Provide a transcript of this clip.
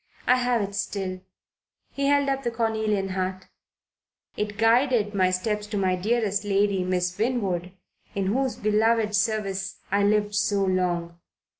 I have it still." He held up the cornelian heart. "It guided my steps to my dearest lady, Miss Winwood, in whose beloved service I lived so long.